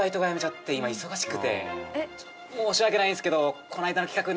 申し訳ないんですけど。